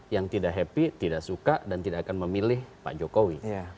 yang tidak happy tidak suka dan tidak akan memilih pak jokowi